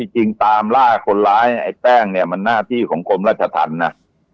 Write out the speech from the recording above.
จริงตามล่าคนร้ายไอ้แป้งเนี่ยมันหน้าที่ของกรมราชธรรมนะ